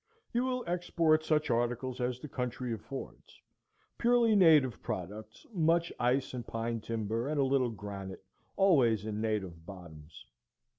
You will export such articles as the country affords, purely native products, much ice and pine timber and a little granite, always in native bottoms.